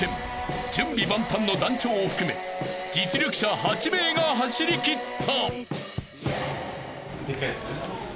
［準備万端の団長を含め実力者８名が走りきった］